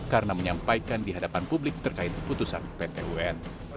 karena menyampaikan di hadapan publik terkait putusan pt un